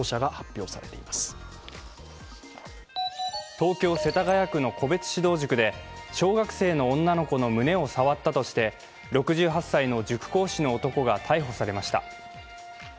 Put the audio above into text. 東京・世田谷区の個別指導塾で小学生の女の子の胸を触ったとして６８歳の塾講師の男が逮捕されました。